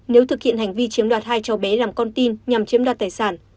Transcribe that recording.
nếu thực hiện hành vi chiếm đoạt hai cháu bé làm con tin nhằm chiếm đoạt tài sản